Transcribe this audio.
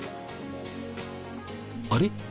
あれ？